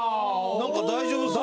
何か大丈夫そう。